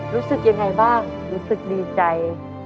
รู้สึกยังไงบ้างรู้สึกดีใจ